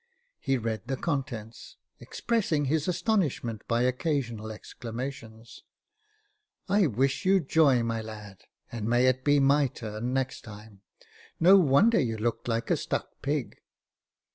He read the contents, expressing his astonishment by occasional exclamations. " I wish you joy, my lad, and may it be my turn next time. No wonder you looked like a stuck pig.